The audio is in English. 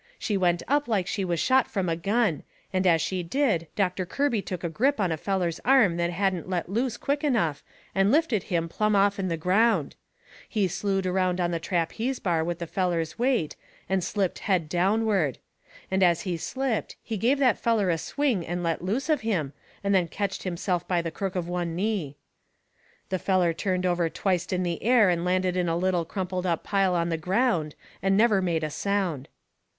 She went up like she was shot from a gun, and as she did Doctor Kirby took a grip on a feller's arm that hadn't let loose quick enough and lifted him plumb off'n the ground. He slewed around on the trapeze bar with the feller's weight, and slipped head downward. And as he slipped he give that feller a swing and let loose of him, and then ketched himself by the crook of one knee. The feller turned over twicet in the air and landed in a little crumpled up pile on the ground, and never made a sound.